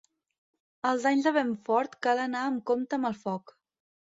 Els anys de vent fort cal anar amb compte amb el foc.